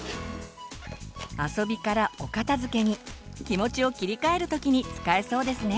遊びからお片づけに気持ちを切り替える時に使えそうですね。